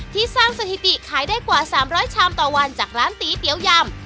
สร้างสถิติขายได้กว่า๓๐๐ชามต่อวันจากร้านตีเตี๋ยวยำ